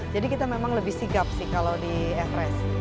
kita memang lebih sigap sih kalau di everest